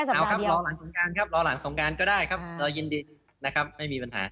เอาครับรอหลังสงกราณก็ได้รายินดีไม่มีปัญหา